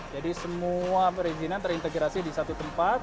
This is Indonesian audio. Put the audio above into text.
jadi semua perizinan terintegrasi di satu tempat